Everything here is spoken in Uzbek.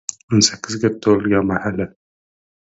O‘n sakkizga to‘lgan mahali